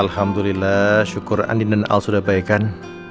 alhamdulillah syukur andin dan al sudah baikan